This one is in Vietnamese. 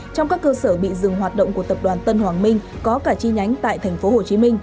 trong các cơ sở bị dừng hoạt động của tập đoàn tân hoàng minh có cả chi nhánh tại tp hcm